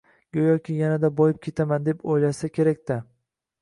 go‘yoki yanada boyib ketaman deb o‘ylashsa kerak-da.